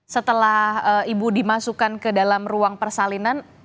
setelah ibu dimasukkan ke dalam ruang persalinan